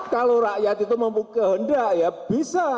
kalau rakyat itu mempunyai kehendak ya bisa